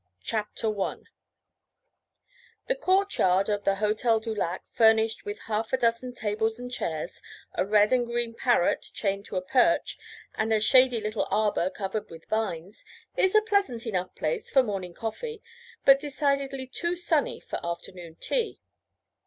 CHAPTER I The courtyard of the Hotel du Lac, furnished with half a dozen tables and chairs, a red and green parrot chained to a perch, and a shady little arbour covered with vines, is a pleasant enough place for morning coffee, but decidedly too sunny for afternoon tea.